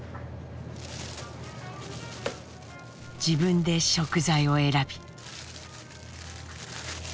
自分で食材を選び。